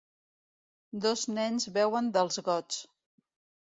Dos nens beuen dels gots.